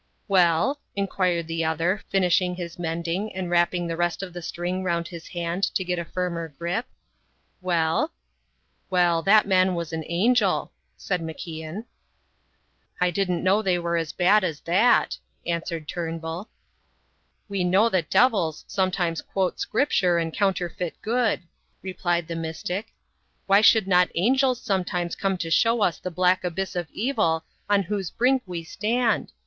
"Well?" inquired the other, finishing his mending and wrapping the rest of the string round his hand to get a firmer grip. "Well?" "Well, that man was an angel," said MacIan. "I didn't know they were as bad as that," answered Turnbull. "We know that devils sometimes quote Scripture and counterfeit good," replied the mystic. "Why should not angels sometimes come to show us the black abyss of evil on whose brink we stand.